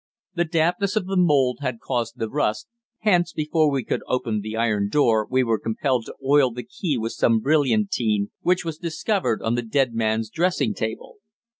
The dampness of the mould had caused the rust, hence before we could open the iron door we were compelled to oil the key with some brilliantine which was discovered on the dead man's dressing table.